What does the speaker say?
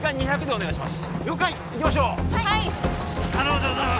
お願いします